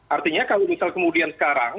artinya kalau misal kemudian sekarang